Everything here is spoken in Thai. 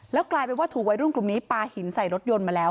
แล้วกลายเป็นว่าถูกวัยรุ่นกลุ่มนี้ปลาหินใส่รถยนต์มาแล้ว